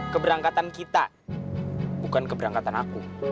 keberangkatan kita bukan keberangkatan aku